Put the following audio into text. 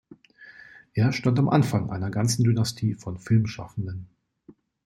Er stand am Anfang einer ganzen Dynastie von Filmschaffenden.